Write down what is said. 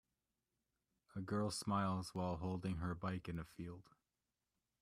A girl smiles while holding her bike in a field.